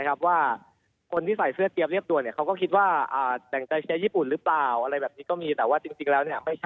ขอบคุณเพียงทีเตี๋ยวโตมันอย่างไง